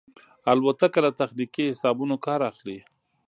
الوتکه له تخنیکي حسابونو کار اخلي.